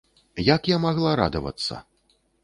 Як я магла радавацца?